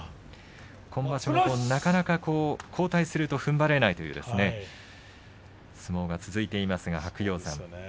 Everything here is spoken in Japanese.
今場所なかなか後退すると、ふんばれないという相撲が続いていますが、白鷹山。